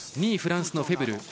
２位、フランスのフェブル。